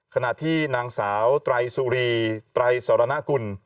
ขณะที่นางสาวไตรสุรีไตรสรณกุล